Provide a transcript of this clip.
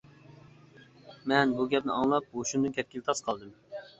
مەن بۇ گەپنى ئاڭلاپ ھوشۇمدىن كەتكىلى تاس قالدىم.